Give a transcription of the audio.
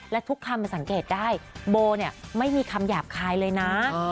และทุกคำมันสังเกตได้โบเนี่ยไม่มีคำหยาบคายเลยนะ